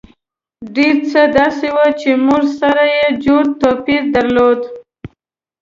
ډېر څه داسې وو چې موږ سره یې جوت توپیر درلود.